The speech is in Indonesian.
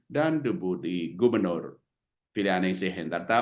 dan deputi gubernur filianengsi henterta